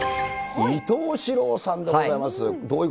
伊東四朗さんでございます。